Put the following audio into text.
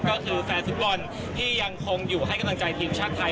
ก็คือแฟนฟุตบอลที่ยังคงอยู่ให้กำลังใจทีมชาติไทย